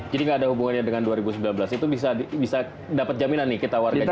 jadi nggak ada hubungannya dengan dua ribu sembilan belas itu bisa dapat jaminan nih kita warga jakarta